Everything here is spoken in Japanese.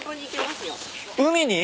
海に？